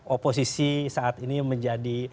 oposisi saat ini menjadi